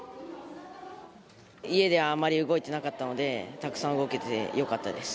家であまり動いていなかったので、たくさん動けてよかったです。